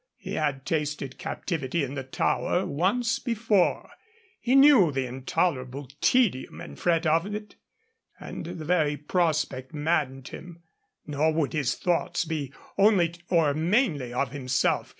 He had tasted captivity in the Tower once before; he knew the intolerable tedium and fret of it; and the very prospect maddened him. Nor would his thoughts be only or mainly of himself.